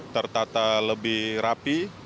tertata lebih rapi